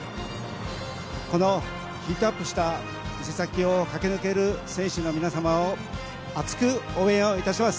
このヒートアップした伊勢崎を駆け抜ける選手の皆様を熱く応援をいたします。